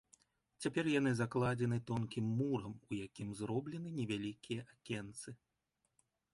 Цяпер яны закладзены тонкім мурам, у якім зроблены невялікія акенцы.